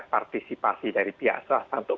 partisipasi dari pihak swasta untuk